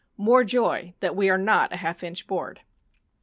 More joy that we are not a half inch board!